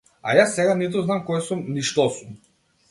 А јас сега ниту знам кој сум ни што сум.